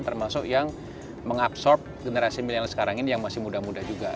termasuk yang mengabsorb generasi milenial sekarang ini yang masih muda muda juga